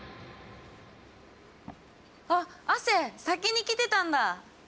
あっ亜生先に来てたんだ。